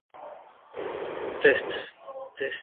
Modern critics have noted that his criticisms remain relevant.